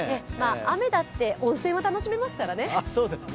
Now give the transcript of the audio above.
雨だって温泉は楽しめますからね。